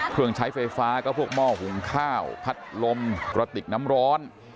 เครื่องใช้ไฟฟ้าก็พวกหม้อหุงข้าวพัดลมกระติกน้ำร้อน